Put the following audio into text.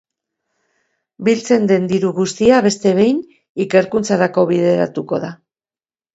Biltzen den diru guztia, beste behin, ikerkuntzarako bideratuko da.